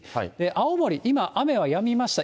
青森、今、雨はやみました。